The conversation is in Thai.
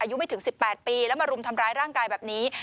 อายุไม่ถึง๑๘ปีแล้วมารุมทำร้ายร่างกายแบบนี้